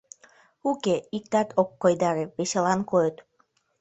Уке, иктат ок койдаре, веселан койыт.